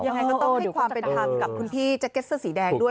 ยังไงก็ต้องให้ความเป็นธรรมกับคุณพี่แจ็คเก็ตเสื้อสีแดงด้วย